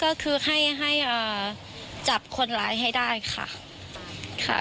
ก็คือให้ให้จับคนร้ายให้ได้ค่ะ